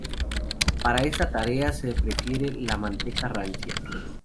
Para esta tarea se prefiere la manteca rancia.